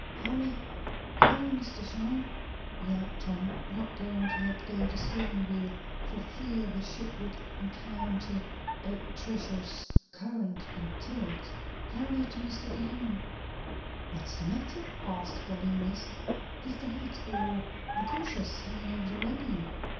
"Hurry! Hurry, Mr. Sharp!" yelled Tom, not daring to let go the steering wheel, for fear the ship would encounter a treacherous current and tilt. "Hurry to Mr. Damon!" "What's the matter?" asked the balloonist. "He's dead or unconscious hanging over the railing.